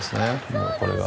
もうこれが。